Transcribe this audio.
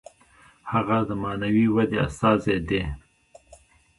هغه د معنوي ودې استازی دی.